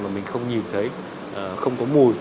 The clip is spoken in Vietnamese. mà mình không nhìn thấy không có mùi